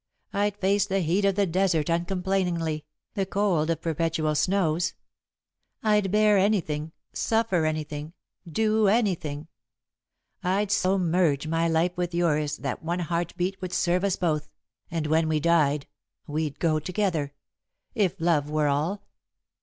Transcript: I'd face the heat of the desert uncomplainingly, the cold of perpetual snows. I'd bear anything, suffer anything, do anything. I'd so merge my life with yours that one heart beat would serve us both, and when we died, we'd go together if love were all."